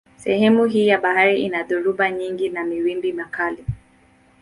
Sehemu hii ya bahari ina dhoruba nyingi na mawimbi makali.